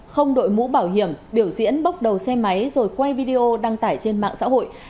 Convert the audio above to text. không đội mũ bảo hiểm biểu diễn bốc đầu xe máy rồi quay video đăng tải trên mạng xã hội